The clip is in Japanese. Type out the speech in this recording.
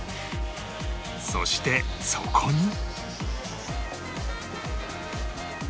そしてそこに